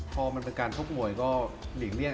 พอมันเป็นการชกมวยก็หลีกเลี่ยง